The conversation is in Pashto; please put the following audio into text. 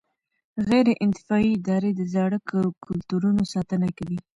غیر انتفاعي ادارې د زاړه کلتورونو ساتنه کوي.